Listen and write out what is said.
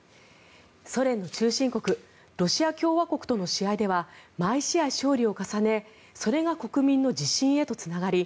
ソ連の中心国ロシア共和国との試合では毎試合勝利を重ねそれが国民の自信へとつながり